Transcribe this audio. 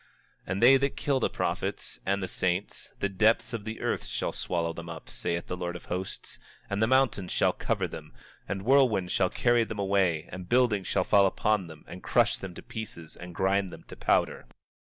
26:5 And they that kill the prophets, and the saints, the depths of the earth shall swallow them up, saith the Lord of Hosts; and mountains shall cover them, and whirlwinds shall carry them away, and buildings shall fall upon them and crush them to pieces and grind them to powder.